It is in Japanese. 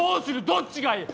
どっちがいい？